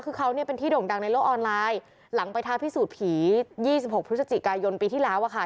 คือเขาเนี่ยเป็นที่โด่งดังในโลกออนไลน์หลังไปท้าพิสูจน์ผี๒๖พฤศจิกายนปีที่แล้วอะค่ะ